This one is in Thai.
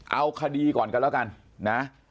เอาคดีก่อนกันแล้วกันนะ